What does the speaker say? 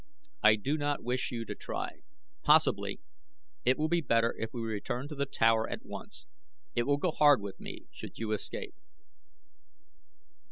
I do not wish you to try. Possibly it will be better if we return to the tower at once. It would go hard with me should you escape."